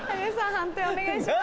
判定お願いします。